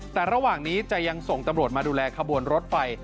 แต่ระหว่างนี้จะยังส่งตำรวจมาดูแลขบวนรถไฟ